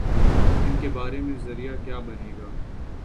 ان کے بارے میں ذریعہ کیا بنے گا؟